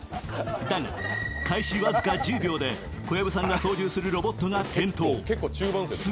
だが、開始僅か１０秒で小薮さんが操縦するロボットが転倒。